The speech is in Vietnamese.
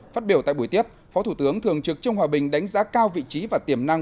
phát biểu tại buổi tiếp phó thủ tướng thường trực trương hòa bình đánh giá cao vị trí và tiềm năng